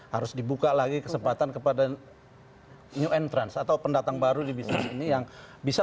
harus dibuka lagi kesempatan kepada new entrans atau pendatang baru di bisnis ini yang bisa